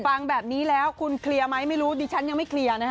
ฟังแบบนี้แล้วคุณเคลียร์ไหมไม่รู้ดิฉันยังไม่เคลียร์นะฮะ